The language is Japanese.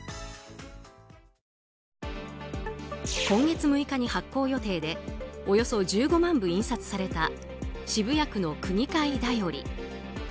今月６日に発行予定でおよそ１５万部印刷された渋谷区の区議会だより。